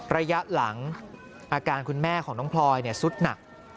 ระยะหลังอาการคุณแม่ของน้องพลอยสุดหนัก